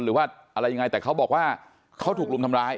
หรือว่าอะไรยังไงแต่เขาบอกว่าเขาถูกรุมทำร้าย